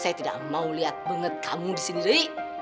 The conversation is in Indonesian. saya tidak mau lihat banget kamu di sini